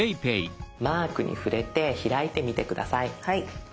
マークに触れて開いてみて下さい。